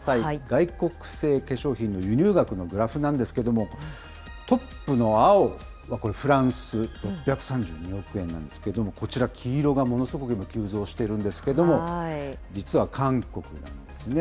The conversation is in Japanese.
外国製化粧品の輸入額のグラフなんですけれども、トップの青はこれ、フランス６３２億円なんですけれども、こちら黄色がものすごく急増しているんですけれども、実は韓国なんですね。